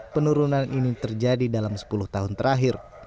penurunan ini terjadi dalam sepuluh tahun terakhir